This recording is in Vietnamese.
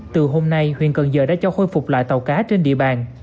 từ hôm nay huyện cần giờ đã cho khôi phục lại tàu cá trên địa bàn